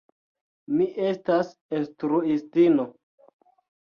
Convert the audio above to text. Mi estas instruistino.